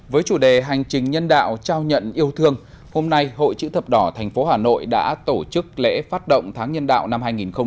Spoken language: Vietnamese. với chủ đề hành trình nhân đạo trao nhận yêu thương hôm nay hội chữ thập đỏ tp hà nội đã tổ chức lễ phát động tháng nhân đạo năm hai nghìn hai mươi